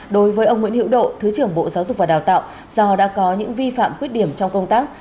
đối với ông nguyễn hiệu độ thứ trưởng bộ giáo dục và đào tạo do đã có những vi phạm khuyết điểm trong công tác